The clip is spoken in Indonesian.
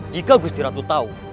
jika gusti ratu tahu